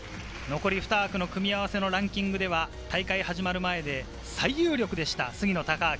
残り２枠の組み合わせのランキングでは大会が始まる前で最有力でした、杉野正尭。